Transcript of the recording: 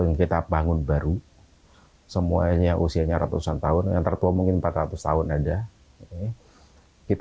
yang kita bangun baru semuanya usianya ratusan tahun yang tertua mungkin empat ratus tahun ada kita